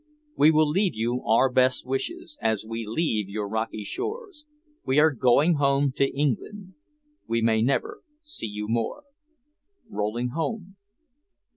We will leave you our best wishes As we leave your rocky shores, We are going home to England, We may never see you more. Rolling home....